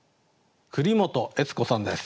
栗本悦子さんです。